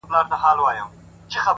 ته خوله لکه ملا ته چي زکار ورکوې _